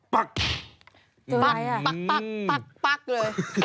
ปั๊กปั๊กปั๊กปั๊กเลย